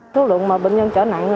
lưu lượng bệnh nhân trở nặng